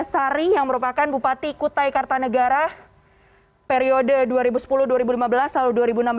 ada sari yang merupakan bupati kutai kartanegara periode dua ribu sepuluh dua ribu lima belas lalu dua ribu enam belas dua ribu dua puluh satu